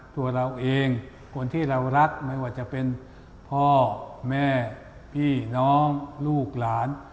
ตัวเราเองคนที่เรารักไม่ว่าจะเป็นพ่อแม่พี่น้องลูกหลาน